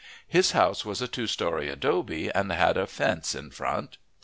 His house was a two story adobe, and had a fence in front.